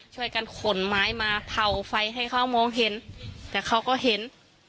ช่วยกันขนไม้มาเผ่าไฟให้เขามองเห็นแต่เขาก็เห็น